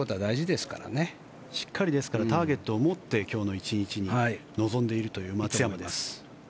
ですから、しっかりターゲットを持って今日の１日に臨んでいるという松山です。